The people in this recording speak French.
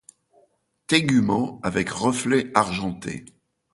Tégument avec reflets argentés.